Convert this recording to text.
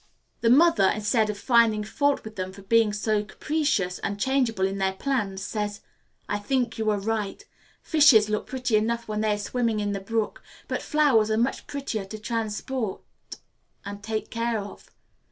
The mother, instead of finding fault with them for being so capricious and changeable in their plans, says, "I think you are right. Fishes look pretty enough when they are swimming in the brook, but flowers are much prettier to transport and take care of.